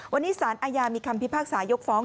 วันนี้สารอาญามีคำพิพากษายกฟ้อง